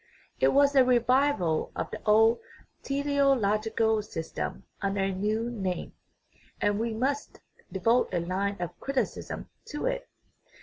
It was a revival of the old teleological system under a new name, and we must devote a line of criticism to it.